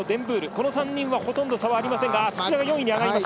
この３人はほとんど差はありませんが土田４位。